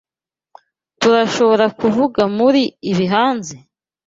Tturashoborakuvuga kuri ibi hanze?